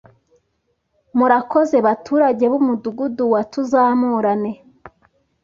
Murakoze baturage b’Umudugudu wa Tuzamurane.